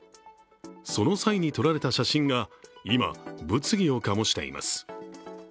その際に撮られた写真が今、物議を醸しています。